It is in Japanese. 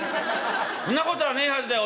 んなことはねえはずだよ。